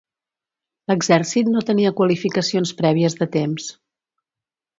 L'Exèrcit no tenia qualificacions prèvies de temps.